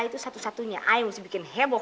itu satu satunya saya mesti bikin heboh